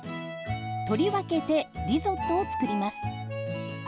取り分けてリゾットを作ります。